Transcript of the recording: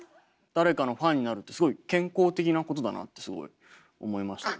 誰かのファンになるってすごい健康的なことだなってすごい思いました。